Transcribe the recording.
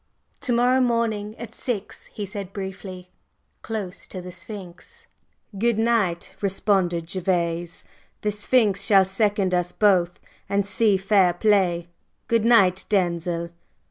"To morrow morning at six," he said, briefly; "close to the Sphinx." "Good!" responded Gervase. "The Sphinx shall second us both and see fair play. Good night, Denzil!"